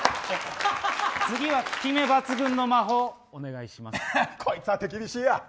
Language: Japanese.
次は効き目抜群の魔法をお願いしますよ。